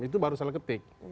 itu baru salah ketik